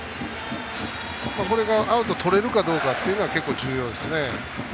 これがアウトとれるかどうかっていうのは結構重要ですね。